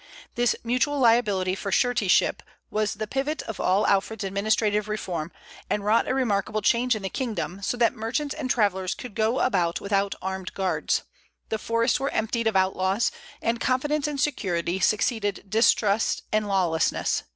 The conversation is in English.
"This mutual liability or suretyship was the pivot of all Alfred's administrative reform, and wrought a remarkable change in the kingdom, so that merchants and travellers could go about without armed guards. The forests were emptied of outlaws, and confidence and security succeeded distrust and lawlessness....